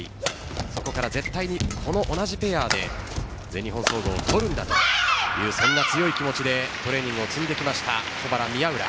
そこから、絶対にこの同じペアで全日本総合を取るんだというそんな強い気持ちでトレーニングを積んできました保原・宮浦。